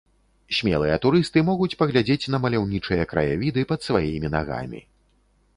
Смелыя турысты могуць паглядзець на маляўнічыя краявіды пад сваімі нагамі.